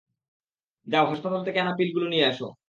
যাও, হাসপাতাল থেকে আনা পিলগুলো নিয়ে আসো!